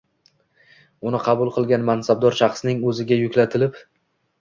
uni qabul qilgan mansabdor shaxsning o‘ziga yuklatilib